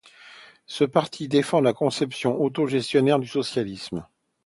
Ce parti défend une conception autogestionnaire du socialisme.